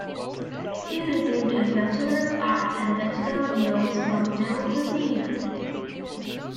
He received a Bachelor of Arts and Bachelor of Laws from Dalhousie University.